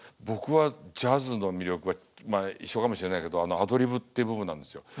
僕はジャズの魅力はまあ一緒かもしれないけどアドリブっていう部分なんですよ。